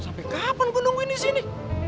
sampai kapan gue nungguin di sini